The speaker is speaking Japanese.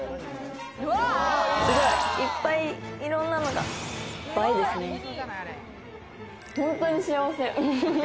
すごいいっぱい、いろんなのが本当に幸せ。